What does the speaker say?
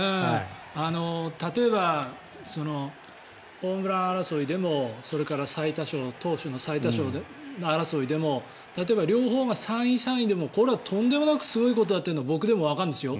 例えば、ホームラン争いでもそれから投手の最多勝争いでも例えば、両方が３位、３位でもこれはとんでもなくすごいことだというのは僕でもわかるんですよ。